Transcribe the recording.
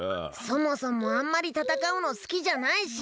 そもそもあんまりたたかうのすきじゃないし。